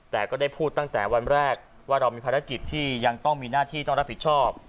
แต่ก็ได้พูดตั้งแต่วันแรกว่าเรามีภารกิจที่ยังต้องมีหน้าที่ต้องรับผิดชอบ